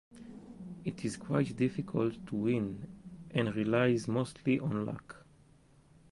It is quite difficult to win, and relies mostly on luck.